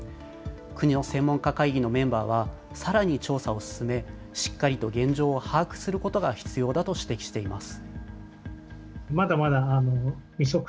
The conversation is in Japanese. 国の専門家会議のメンバーは、さらに調査を進め、しっかりと現状を把握することが必要だと指摘しています。